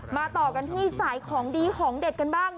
ต่อกันที่สายของดีของเด็ดกันบ้าง